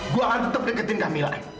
gue akan tetep deketin kamila